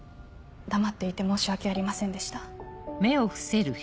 黙っていて申し訳ありませんでした。